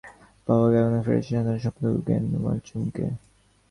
Federation কার্যালয়ে গিয়েও অবশ্য পাওয়া গেল না ফেডারেশনের সাধারণ সম্পাদক উগেন ওয়াংচুককে।